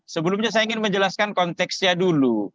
sebelumnya saya ingin menjelaskan konteksnya dulu